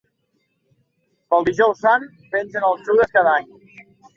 Pel Dijous Sant, pengen el Judes cada any.